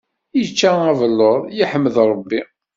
Ičča abelluḍ, yeḥmed Ṛebbi.